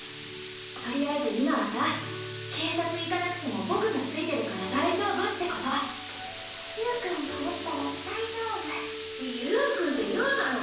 とりあえず今はさ警察行かなくても僕が付いてるから大丈夫ってことゆーくんがおったら大丈夫ゆーくんって言うなよ。